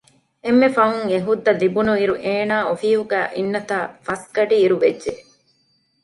އެންމެ ފަހުން އެ ހުއްދަ ލިބުނުއިރު އޭނާ އެ އޮފީހުގައި އިންނަތާ ފަސްގަޑިއިރު ވެއްޖެ